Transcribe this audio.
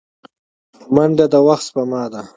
منډه د وخت سپما ده